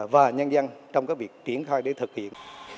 và nhân dân trong việc triển khai để thực hiện